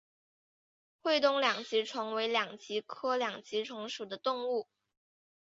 会东两极虫为两极科两极虫属的动物。